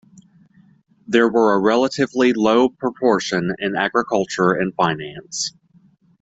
There were a relatively low proportion in agriculture and finance.